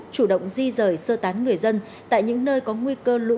chủ động di rời sơ tán người dân tại những nơi có nguy cơ lũ quét lũ ống ngập lụt